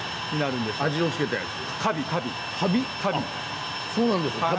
あそうなんですか。